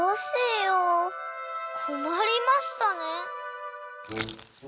こまりましたね。